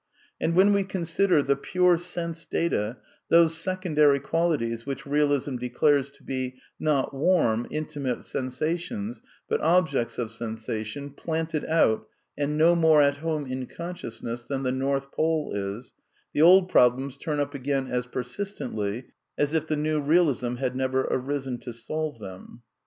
And when we consider the pure sense data, those second ary qualities which Bealism declares to be, not warm, intimate sensations, but objects of sensation, planted out, and no more at home in consciousness than the north pole is, the old problems turn up again as persistently as if the New Eealism had never arisen to solve them.